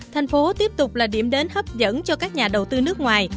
thành phố tiếp tục là điểm đến hấp dẫn cho các nhà đầu tư nước ngoài